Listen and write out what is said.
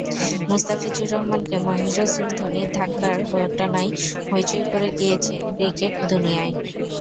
মুস্তাফিজুর রহমানকে মহেন্দ্র সিং ধোনির ধাক্কার ঘটনায় হইচই পড়ে গিয়েছে ক্রিকেট দুনিয়ায়।